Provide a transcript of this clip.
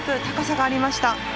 高さがありました。